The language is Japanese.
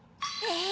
え！